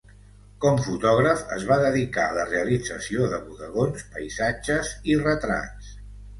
Com fotògraf es va dedicar a la realització de bodegons, paisatges i retrats.